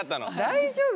大丈夫？